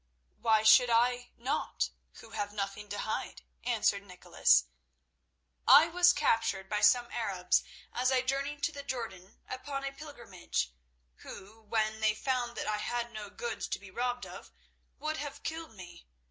"Why should I not, who have nothing to hide?" answered Nicholas. "I was captured by some Arabs as I journeyed to the Jordan upon a pilgrimage, who, when they found that I had no goods to be robbed of, would have killed me.